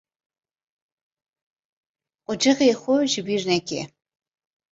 Qucixê xwe ji bîr neke.